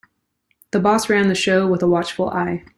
The boss ran the show with a watchful eye.